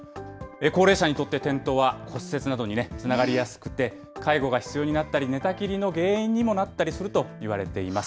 高齢者にとって転倒は骨折などにつながりやすくて、介護が必要になったり、寝たきりの原因にもなったりするといわれています。